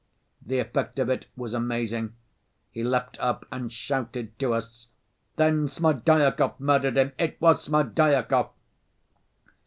"The effect of it was amazing. He leapt up and shouted to us, 'Then Smerdyakov murdered him, it was Smerdyakov!